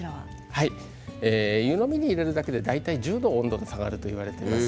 湯飲みに入れるだけで大体１０度、温度が下がるといわれています。